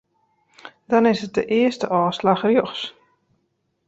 Dan is it de earste ôfslach rjochts.